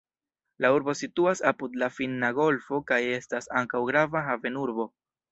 La urbo situas apud la Finna golfo kaj estas ankaŭ grava havenurbo.